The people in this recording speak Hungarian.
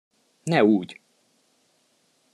Ne úgy!